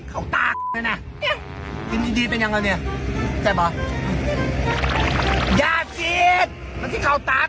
เฮ่ยมันจะเข่าตาก